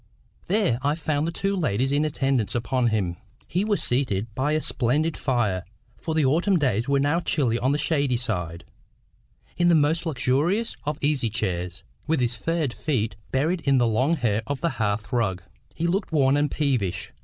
There I found the two ladies in attendance upon him. He was seated by a splendid fire, for the autumn days were now chilly on the shady side, in the most luxurious of easy chairs, with his furred feet buried in the long hair of the hearth rug. He looked worn and peevish.